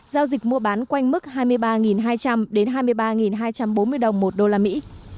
giao dịch mua bán quanh mức hai mươi ba hai trăm linh đến hai mươi ba hai trăm bốn mươi đồng một đô la mỹ